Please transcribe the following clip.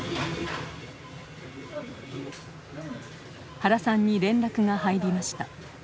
原さんに連絡が入りました。